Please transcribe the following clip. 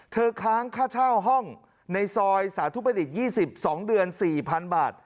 ค้างค่าเช่าห้องในซอยสาธุประดิษฐ์๒๒เดือน๔๐๐๐บาท